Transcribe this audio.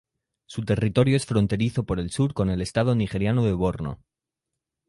Su territorio es fronterizo por el sur con el estado nigeriano de Borno.